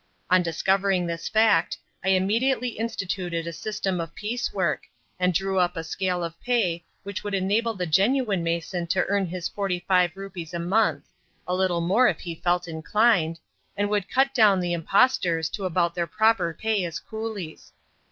On discovering this fact, I immediately instituted a system of piecework, and drew up a scale of pay which would enable the genuine mason to earn his forty five rupees a month and a little more if he felt inclined and would cut down the impostors to about their proper pay as coolies.